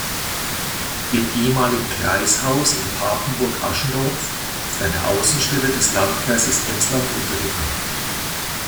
Im ehemaligen Kreishaus in Papenburg-Aschendorf ist eine Außenstelle des Landkreises Emsland untergebracht.